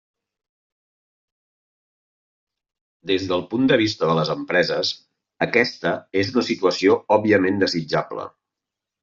Des del punt de vista de les empreses, aquesta és una situació òbviament desitjable.